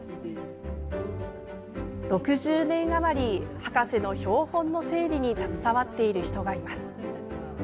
６０年余り、博士の標本の整理に携わっている人がいます。